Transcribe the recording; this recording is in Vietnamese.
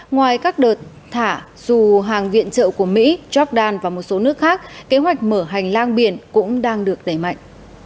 ngoài các đợt thả dù hàng viện trợ của mỹ jordan và một số nước khác kế hoạch mở hành lang biển cũng đang được đẩy mạnh